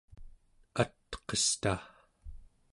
atqesta